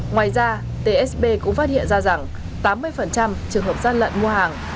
ngoài ra tsb cũng phát hiện ra rằng tám mươi trường hợp gian lận mua hàng